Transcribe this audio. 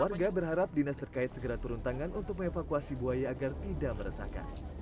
warga berharap dinas terkait segera turun tangan untuk mengevakuasi buaya agar tidak meresahkan